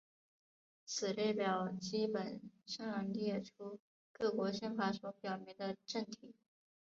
此列表基本上列出各国宪法所表明的政体。